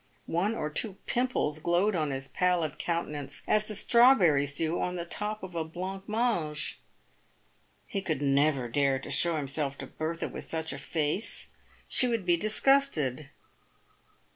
One or two pimples glowed on his pallid countenance as the strawberries do on the top of a blanc mange. He could never dare to show himself to Bertha w r ith such a face — she would be disgusted.